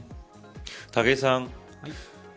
武井さん